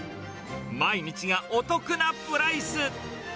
毎日がお得なプライス。